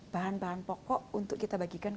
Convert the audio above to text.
bahan bahan pokok untuk kita bagikan ke